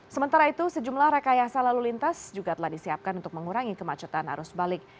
sementara itu sejumlah rekayasa lalu lintas juga telah disiapkan untuk mengurangi kemacetan arus balik